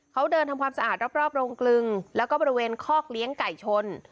เขาเดินทำความสะอาดรอบโรงกลึงแล้วก็บริเวณคอกเลี้ยงไก่ชน